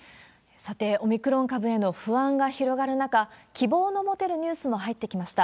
さて、オミクロン株への不安が広がる中、希望の持てるニュースも入ってきました。